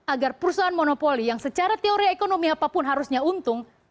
agar perusahaan monopoli yang secara teori ekonomi apapun harusnya untung